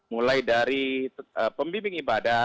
mulai dari pembimbing ibadah